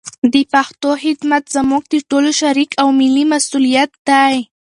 د پښتو خدمت زموږ د ټولو شریک او ملي مسولیت دی.